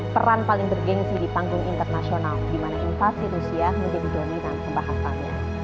peran paling bergensi di panggung internasional di mana invasi rusia menjadi dominan pembahasannya